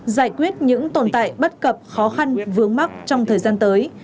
giải quyết những tồn tại bất cập khó khăn vướng mắt trong thời gian tới